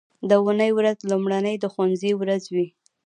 د اونۍ ورځ لومړنۍ د ښوونځي ورځ وي